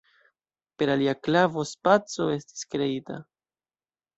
Per alia klavo spaco estis kreita.